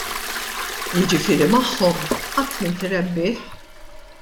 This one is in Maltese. Jiġifieri magħhom, qatt m'inti rebbieħ.